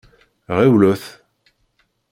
Ɣiwlet.